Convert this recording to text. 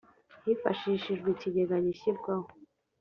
hifashishijwe ikigega gishyirwaho